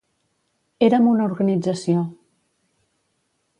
Érem una organització.